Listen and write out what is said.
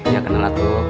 ya kenal aku